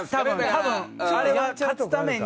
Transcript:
多分あれは勝つために。